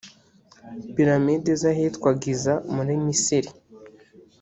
Piramide z’ahitwa Giza muri Misiri